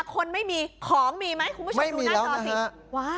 คนไม่มีของมีไหมคุณผู้ชมดูหน้าจอสิว